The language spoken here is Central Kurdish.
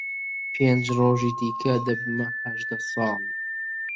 پێنج ڕۆژی دیکە دەبمە هەژدە ساڵ.